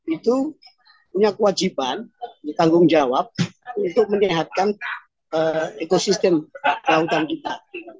itu punya kewajiban bertanggung jawab untuk menyehatkan ekosistem kelautan kita